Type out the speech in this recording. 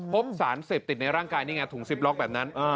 พบสารเสพติดในร่างกายนี่ไงถุงซิปล็อกแบบนั้น